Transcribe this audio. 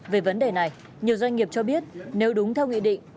về vấn đề này nhiều doanh nghiệp cho biết nếu đúng theo nghị định